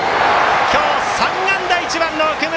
今日３安打、１番の奥村。